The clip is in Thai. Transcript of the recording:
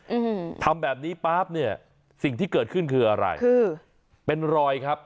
อืมทำแบบนี้ปั๊บเนี้ยสิ่งที่เกิดขึ้นคืออะไรคือเป็นรอยครับ